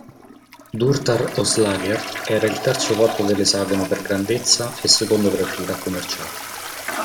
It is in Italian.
Durtar Oslager era il terzo porto dell'esagono per grandezza e secondo in attività commerciale.